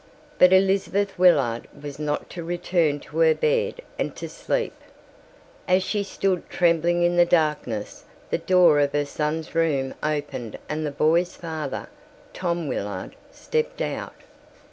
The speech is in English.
But Elizabeth Willard was not to return to her bed and to sleep. As she stood trembling in the darkness the door of her son's room opened and the boy's father, Tom Willard, stepped out.